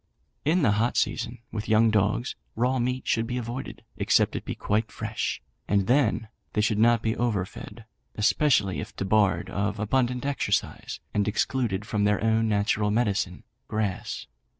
"In the hot season, with young dogs, raw meat should be avoided, except it be quite fresh, and then they should not be over fed, especially if debarred of abundant exercise, and excluded from their own natural medicine, grass.